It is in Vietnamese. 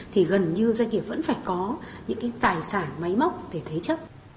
thì gần như doanh nghiệp vẫn phải có những cái tài sản máy móc để thế chấp